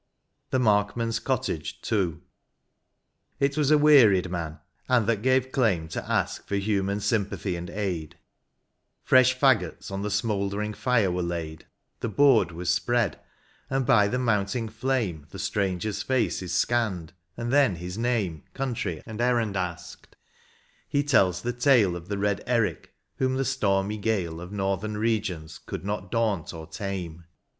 81 XL, THE MARKMAN'S COTTAGE. — II. It was a wearied man, and that gave claim To ask for human sympathy and aid ; Fresh faggots on the smouldering fire were laid ; The board was spread ; and by the mounting flame The stranger s face is scanned ; and then his name, Country, and errand asked : he tells the tale Of the Eed Eric, whom the stormy gale Of northern regions could not daunt or tame.